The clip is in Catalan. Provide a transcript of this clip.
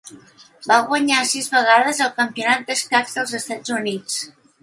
Va guanyar sis vegades el Campionat d'escacs dels Estats Units.